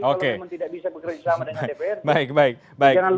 kalau memang tidak bisa bekerja sama dengan dpr